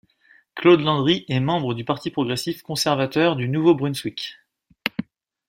Claude Landry est membre du parti progressiste-conservateur du Nouveau-Brunswick.